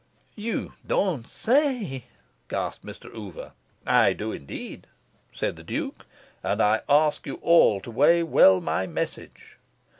"You don't say," gasped Mr. Oover. "I do indeed," said the Duke. "And I ask you all to weigh well my message."